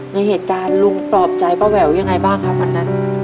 ในเหตุการณ์ลุงปลอบใจป้าแหววยังไงบ้างครับวันนั้น